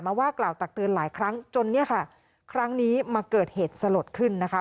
ว่ากล่าวตักเตือนหลายครั้งจนเนี่ยค่ะครั้งนี้มาเกิดเหตุสลดขึ้นนะคะ